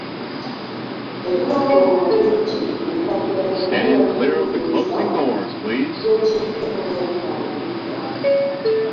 Ebirondoolwa bingi ku lupapula byonna biba bikulumuriza, ng'ekinkumu n'empandiika.